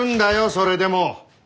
それでも！